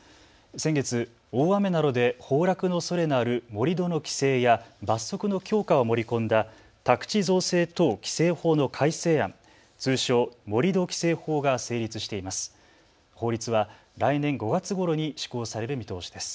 先月、大雨などで崩落のおそれのある盛り土の規制や罰則の強化を盛り込んだ宅地造成等規制法の改正案、通称、盛土規制法が成立しています。